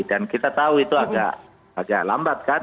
dan kita tahu itu agak lambat kan